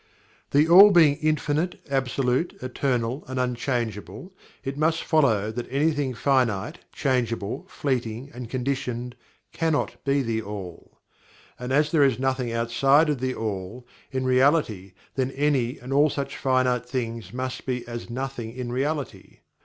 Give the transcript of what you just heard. THE ALL being Infinite, Absolute, Eternal and Unchangeable it must follow that anything finite, changeable, fleeting, and conditioned cannot be THE ALL. And as there is Nothing outside of THE ALL, in Reality, then any and all such finite things must be as Nothing in Reality.